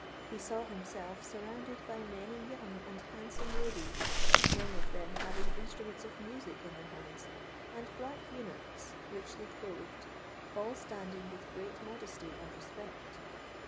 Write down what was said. He saw himself surrounded by many young and handsome ladies, many of them having instruments of music in their hands, and black eunuchs richly clothed, all standing with great modesty and respect.